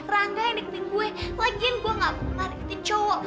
rangga yang deketin gue lagian gue gak pernah deketin cowok